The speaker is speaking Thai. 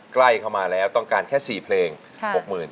ใกล้เข้ามาแล้วต้องการแค่สี่เพลงหกหมื่น